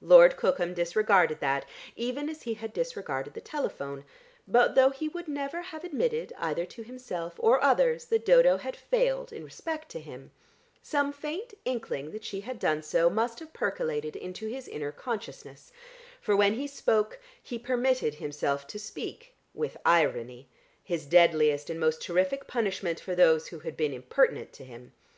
Lord Cookham disregarded that, even as he had disregarded the telephone, but, though he would never have admitted either to himself or others that Dodo had failed in respect to him, some faint inkling that she had done so must have percolated into his inner consciousness, for when he spoke, he permitted himself to speak with irony, his deadliest and most terrific punishment for those who had been impertinent to him.